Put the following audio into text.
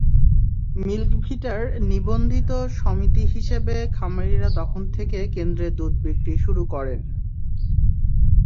মিল্কভিটার নিবন্ধিত সমিতি হিসেবে খামারিরা তখন থেকে কেন্দ্রে দুধ বিক্রি শুরু করেন।